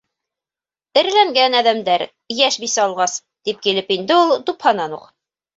Эреләнгән әҙәмдәр, йәш бисә алғас! - тип килеп инде ул тупһанан уҡ.